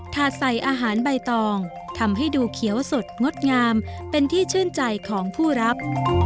ถาดใส่อาหารใบตองทำให้ดูเขียวสดงดงามเป็นที่ชื่นใจของผู้รับ